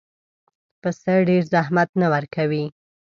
پسه ډېر زحمت نه ورکوي.